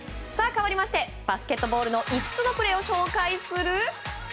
かわりましてバスケットボールの５つのプレーを紹介する。